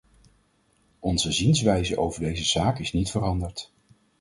Onze zienswijze over deze zaak is niet veranderd.